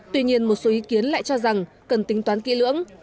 tuy nhiên một số ý kiến lại cho rằng cần tính toán kỹ lưỡng